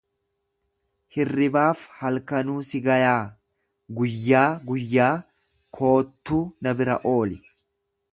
Hirribaaf halkanuu si gayaa guyyaa guyyaa koottuu na bira ooli.